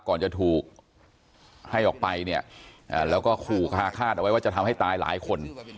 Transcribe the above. ก่อนจะถูกให้ออกไปเนี่ยแล้วก็ขู่คาดเอาไว้ว่าจะทำให้ตายหลายคน